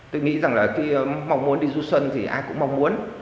tôi nghĩ rằng khi mong muốn đi du sân thì ai cũng mong muốn